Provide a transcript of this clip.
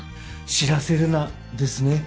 「知らせるな」ですね。